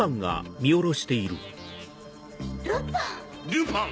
・ルパン！